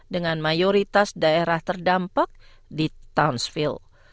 dengan mayoritas daerah terdampak di townsfield